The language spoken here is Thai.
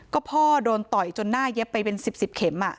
ก็พ่อโดนต่อยจนหน้าเย็บไปเป็น๑๐เข็ม